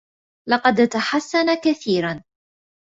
لقد تحسّن كثيرا.